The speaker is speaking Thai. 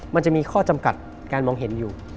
มันจะมีข้อจำกัดการมองเห็นอยู่